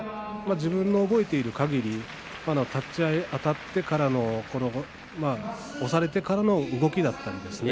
自分の覚えているかぎり立ち合いあたってからの押されてからの動きですね。